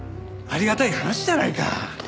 ありがたい話じゃないか。